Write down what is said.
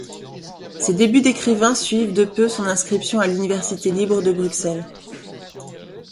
Ses débuts d'écrivain suivent de peu son inscription à l'Université libre de Bruxelles.